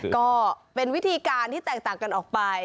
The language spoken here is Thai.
ก็เป็นวิธีการที่แตกต่างกันออกไป